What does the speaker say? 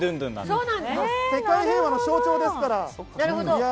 世界平和の象徴ですから。